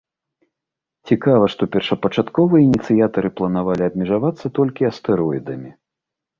Цікава, што першапачаткова ініцыятары планавалі абмежавацца толькі астэроідамі.